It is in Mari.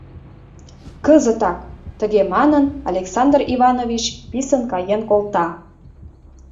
Кызытак! — тыге манын, Александр Иванович писын каен колта.